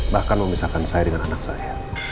bahkan memisahkan saya dengan anak saya